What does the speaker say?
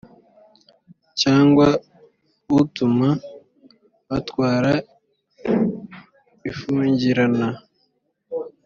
cyangwa utuma batwara ufungirana